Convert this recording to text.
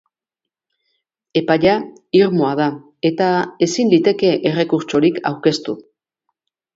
Epaia irmoa da, eta ezin liteke errekurtsorik aurkeztu.